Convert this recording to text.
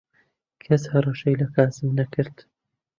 کەس هەڕەشەی لە کازم نەکرد.